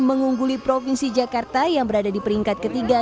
mengungguli provinsi jakarta yang berada di peringkat ketiga